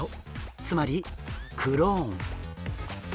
つまりクローン。